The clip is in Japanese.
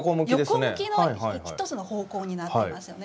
横向きの一つの方向になっていますよね。